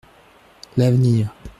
L’avenir.